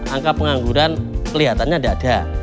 angka pengangguran kelihatannya tidak ada